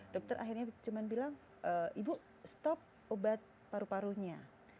dokter akhirnya cuma bilang ibu stop obat paru parunya